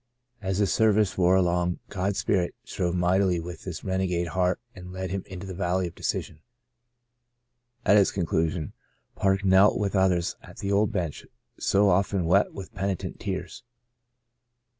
As the service wore along God^s spirit strove mightily with this renegade heart and led him into the valley of decision. At its conclusion Park knelt with others at the old bench so often wet with penitential tears.